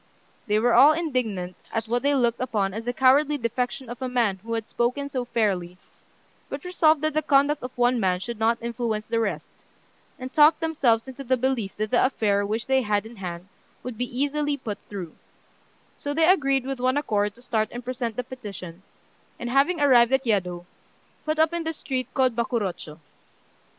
They were all indignant at what they looked upon as the cowardly defection of a man who had spoken so fairly, but resolved that the conduct of one man should not influence the rest, and talked themselves into the belief that the affair which they had in hand would be easily put through; so they agreed with one accord to start and present the petition, and, having arrived at Yedo, put up in the street called Bakurochô.